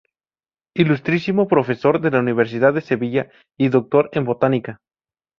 Ilustrísimo Profesor de la Universidad de Sevilla y Doctor en Botánica.